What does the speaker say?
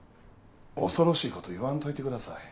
恐ろしい事言わんといてください。